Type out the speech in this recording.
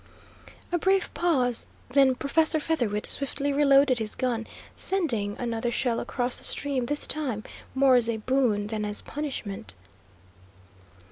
A brief pause, then Professor Featherwit swiftly reloaded his gun, sending another shell across the stream, this time more as a boon than as punishment.